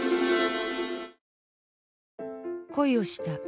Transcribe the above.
恋をした。